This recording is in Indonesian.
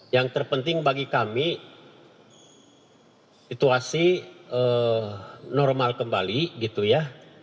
yang terpenting bagi kami situasi normal kembali gitu ya